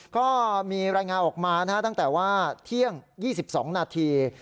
ก็มีรายงานออกมาตั้งแต่ว่าเที่ยง๒๒นาที